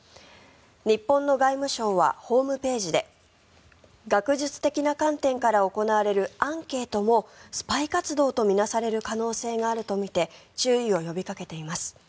日本の外務省はホームページで学術的な観点から行われるアンケートもスパイ活動と見なされる可能性があるとみて注意を呼びかけています。